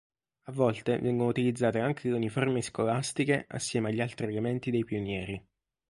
A volte vengono utilizzate anche le uniformi scolastiche assieme agli altri elementi dei Pionieri.